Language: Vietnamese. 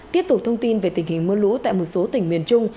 tiếp tục thông tin về tình hình mưa lũ tại một số tỉnh miền trung